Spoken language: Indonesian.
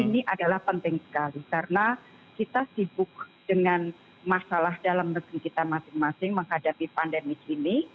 ini adalah penting sekali karena kita sibuk dengan masalah dalam negeri kita masing masing menghadapi pandemi ini